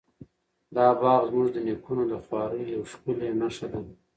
دا باغ زموږ د نیکونو د خواریو یوه ښکلې نښه ده.